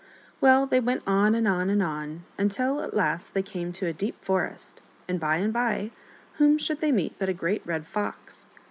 Well, they went on and on and on, until, at last, they came to a deep forest, and, by and by, whom should they meet but a great red fox.